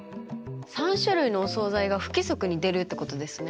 ３種類のお総菜が不規則に出るってことですね。